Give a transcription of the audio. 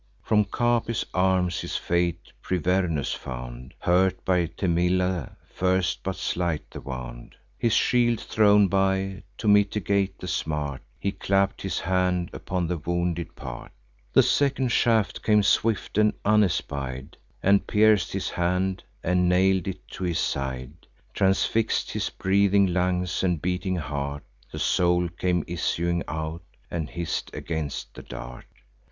From Capys' arms his fate Privernus found: Hurt by Themilla first—but slight the wound— His shield thrown by, to mitigate the smart, He clapp'd his hand upon the wounded part: The second shaft came swift and unespied, And pierc'd his hand, and nail'd it to his side, Transfix'd his breathing lungs and beating heart: The soul came issuing out, and hiss'd against the dart.